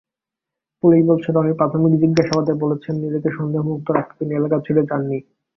Police বলছে, রনি প্রাথমিক জিজ্ঞাসাবাদে বলেছেন নিজেকে সন্দেহমুক্ত রাখতে তিনি এলাকা ছেড়ে যাননি।